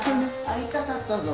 会いたかったぞ。